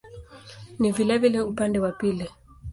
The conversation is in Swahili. Ni vilevile upande wa pili.